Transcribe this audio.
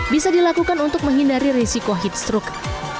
bisa dilakukan untuk menghindari risiko heat stroke